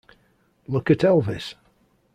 Look at Elvis.